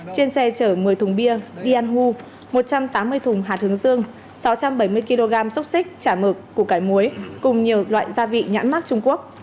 trên xe chở một mươi thùng bia diau một trăm tám mươi thùng hạt hướng dương sáu trăm bảy mươi kg xúc xích chả mực củ cải muối cùng nhiều loại gia vị nhãn mắc trung quốc